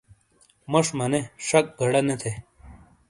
موش مَنے شَک گَڑا نے تھے